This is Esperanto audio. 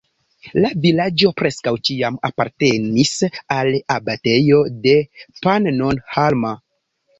La vilaĝo preskaŭ ĉiam apartenis al abatejo de Pannonhalma.